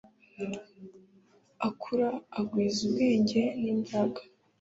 akura agwiza ubwenge n imbaraga